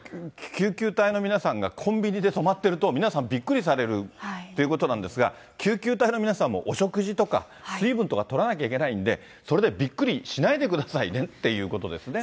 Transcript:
救急隊の皆さんがコンビニで止まってると、皆さん、びっくりされるということなんですが、救急隊の皆さんもお食事とか、水分とかとらなきゃいけないんで、それでびっくりしないでくださいねということですね。